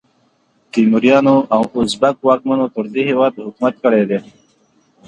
تیموریانو او ازبک واکمنو پر دې هیواد حکومت کړی دی.